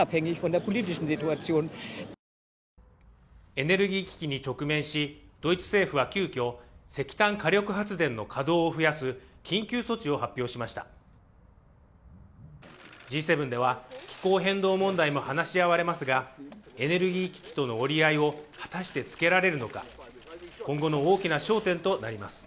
エネルギー危機に直面しドイツ政府は急きょ石炭火力発電の稼働を増やす緊急措置を発表しましたＧ７では気候変動問題も話し合われますがエネルギー危機との折り合いを果たしてつけられるのか今後の大きな焦点となります